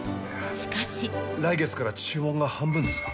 しかし来月から注文が半分ですか？